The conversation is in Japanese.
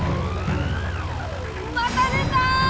また出た！